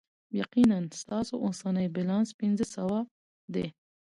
یقینا، ستاسو اوسنی بیلانس پنځه سوه دی.